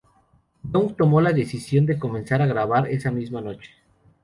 Young tomó la decisión de comenzar a grabar esa misma noche.